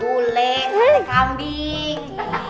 bule sate kambing